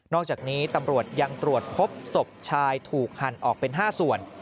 อกจากนี้ตำรวจยังตรวจพบศพชายถูกหั่นออกเป็น๕ส่วน